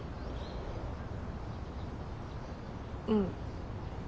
うん。